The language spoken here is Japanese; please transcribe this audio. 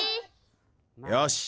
よし。